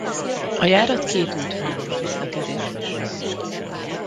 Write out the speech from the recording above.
A járat két útvonalon közlekedik.